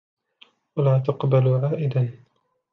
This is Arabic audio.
وَلَا تَقْبَلُ عَائِدًا